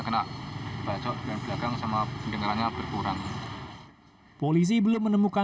kepada taufan pulung sunggoro yogyakarta